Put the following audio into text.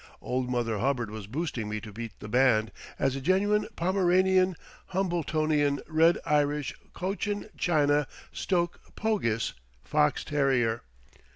Old Mother Hubbard was boosting me to beat the band as a genuine Pomeranian Hambletonian Red Irish Cochin China Stoke Pogis fox terrier.